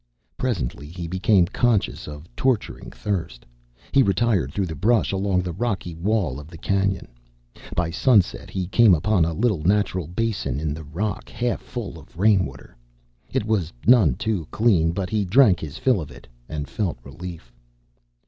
Presently he became conscious of torturing thirst. He retired through the brush, along the rocky wall of the canyon. By sunset he came upon a little natural basin in a rock, half full of rain water. It was none too clean, but he drank his fill of it, and felt relief.